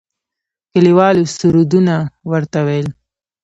کلیوالو سردنه ورته ويل.